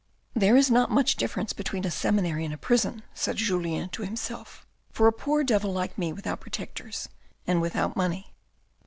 " There is not much difference between a seminary and a prison," said Julien to himself, "for a poor devil like me, without protectors and without money.